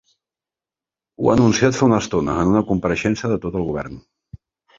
Ho ha anunciat fa una estona en una compareixença de tot el govern.